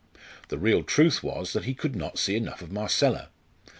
The real truth was that he could not see enough of Marcella!